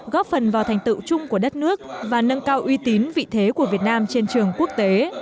góp phần vào thành tựu chung của đất nước và nâng cao uy tín vị thế của việt nam trên trường quốc tế